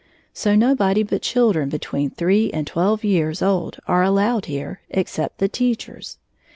So no body but children between three and twelve years old are allowed here, except the teachers.